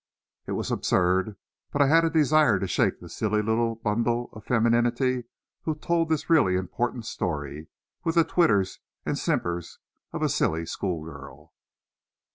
It was absurd, but I had a desire to shake the silly little bundle of femininity who told this really important story, with the twitters and simpers of a silly school girl.